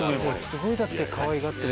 すごいだって。